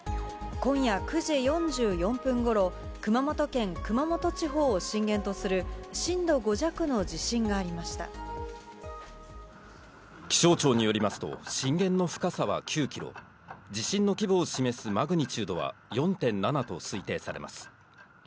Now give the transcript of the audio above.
今夜９時４４分ごろ、熊本県熊本地方を震源とする、気象庁によりますと、震源の深さは９キロ、地震の規模を示すマグニチュードは４．７と推定されます。